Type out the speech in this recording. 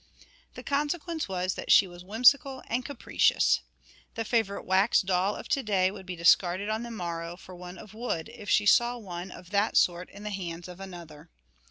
The consequence was that she was whimsical and capricious. The favourite wax doll of to day would be discarded on the morrow for one of wood if she saw one of that sort in the hands of another.